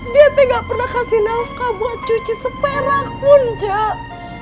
dia teh gak pernah kasih nafkah buat cuci sepera pun cok